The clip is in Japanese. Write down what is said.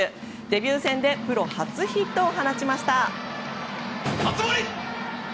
デビュー戦でプロ初ヒットを放ちました。